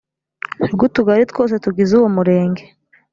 rw ‘utugari twose tugize uwo murenge